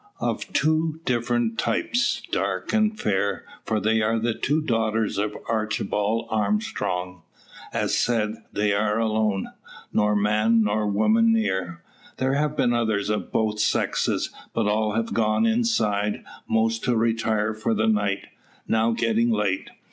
Of two different types, dark and fair: for they are the two daughters of Archibald Armstrong. As said, they are alone, nor man nor woman near. There have been others of both sexes, but all have gone inside; most to retire for the night, now getting late.